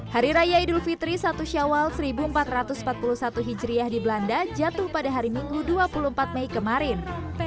hari raya idul fitri satu syawal seribu empat ratus empat puluh satu hijriah di belanda jatuh pada hari minggu dua puluh empat mei kemarin